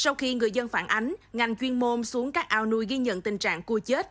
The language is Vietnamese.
sau khi người dân phản ánh ngành chuyên môn xuống các ao nuôi ghi nhận tình trạng cua chết